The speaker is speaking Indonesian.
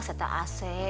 saya tidak asyik